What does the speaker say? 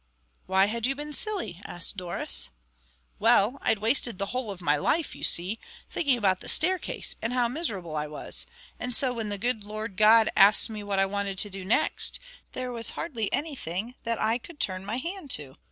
"Why had you been silly?" asked Doris. "Well, I'd wasted the whole of my life, you see, thinking about the staircase and how miserable I was; and so when the good Lord God asked me what I wanted to do next, there was hardly anything that I could turn my hand to.